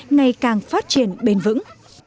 ngày càng phát triển bền vững